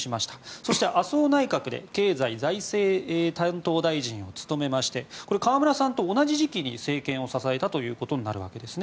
そして麻生内閣で経済財政担当大臣を務めまして河村さんと同じ時期に政権を支えたことになるわけですね。